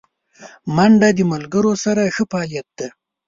منډه د ملګرو سره ښه فعالیت دی